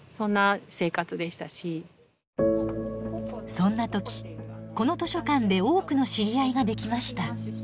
そんな時この図書館で多くの知り合いができました。